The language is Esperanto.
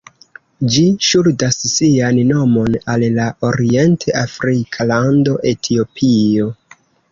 Ĝi ŝuldas sian nomon al la orient-afrika lando Etiopio.